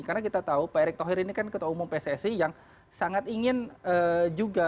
karena kita tahu pak erik thohir ini kan ketua umum pssi yang sangat ingin juga